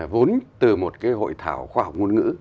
vốn từ một cái hội thảo khoa học ngôn ngữ